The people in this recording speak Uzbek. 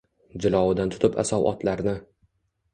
Jilovidan tutib asov otlarni